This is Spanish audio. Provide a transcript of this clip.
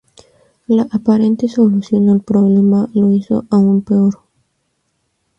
La aparente solución al problema lo hizo aún peor.